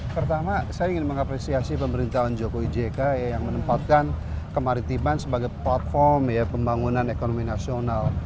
pertama saya ingin mengapresiasi pemerintahan jokowi jk yang menempatkan kemaritiman sebagai platform pembangunan ekonomi nasional